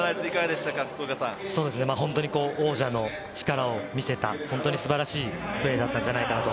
本当に王者の力を見せた素晴らしいプレーだったんじゃないかと。